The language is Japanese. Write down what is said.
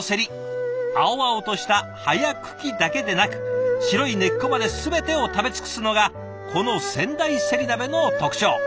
青々とした葉や茎だけでなく白い根っこまで全てを食べ尽くすのがこの仙台せり鍋の特徴。